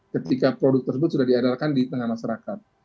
ketika produk tersebut sudah diadarkan di tengah masyarakat